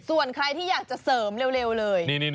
ส่วนใครที่อยากจะเสริมเร็วเลย